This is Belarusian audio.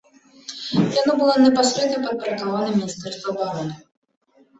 Яно было непасрэдна падпарадкавана міністэрству абароны.